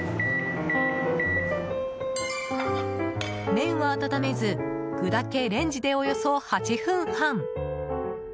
麺は温めず具だけレンジでおよそ８分半。